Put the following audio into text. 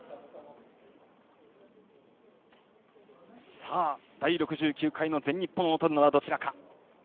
さあ、第６９回の全日本をとるのはどちらか。